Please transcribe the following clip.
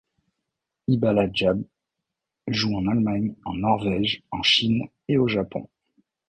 Ibba Laajab joue en Allemagne, en Norvège, en Chine et au Japon.